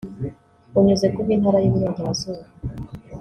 unyuze ku b’Intara y’Iburengerazuba